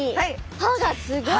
歯がすごい。